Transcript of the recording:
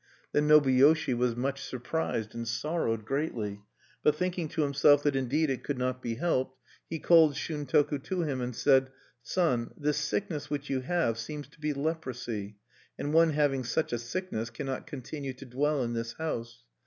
Then Nobuyoshi was much surprised, and sorrowed greatly; but, thinking to himself that indeed it could not be helped, he called Shuntoku to him, and said: "Son, this sickness which you have seems to be leprosy; and one having such a sickness cannot continue to dwell in this house.